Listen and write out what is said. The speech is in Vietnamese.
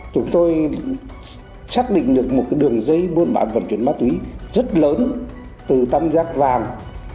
chúng tôi xác định được một đường dây buôn bán vận chuyển ma túy rất lớn từ tam giác vàng